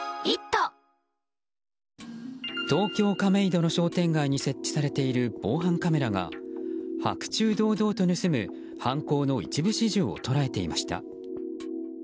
東京・亀戸の商店街に設置されている防犯カメラが白昼堂々と盗む犯行の一部始終を捉えていました。